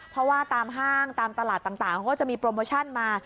เพราะว่าตามห้างตามตลาดต่างเขาก็จะมีโปรโมชั่นมา